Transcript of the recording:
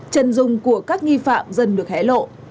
chân dung của các nghi phạm dần được hé lộ